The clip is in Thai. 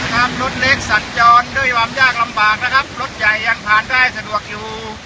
รถเล็กสัญจรด้วยความยากลำบากนะครับรถใหญ่ยังผ่านได้สะดวกอยู่